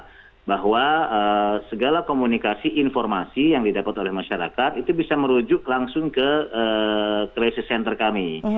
nah bahwa segala komunikasi informasi yang didapat oleh masyarakat itu bisa merujuk langsung ke crisis center kami